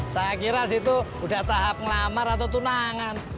saya kira situ udah tahap ngelamar atau tunangan